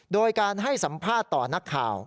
โดยการให้สัมภาษณ์ต่อนักข่าว